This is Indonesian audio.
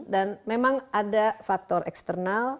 dan memang ada faktor eksternal